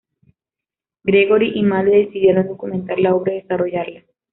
Gregory y Malle decidieron documentar la obra y desarrollarla.